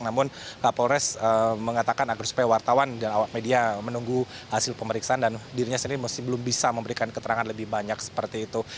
namun kapolres mengatakan agar supaya wartawan dan awak media menunggu hasil pemeriksaan dan dirinya sendiri masih belum bisa memberikan keterangan lebih banyak seperti itu